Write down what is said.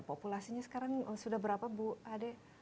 populasinya sekarang sudah berapa bu ade